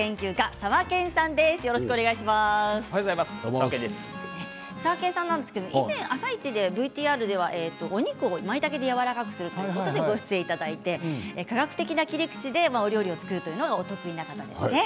さわけんさんは以前ＶＴＲでお肉をまいたけでやわらかくする回にご出演いただいて科学的な切り口で料理を作るというのがお得意なんですね。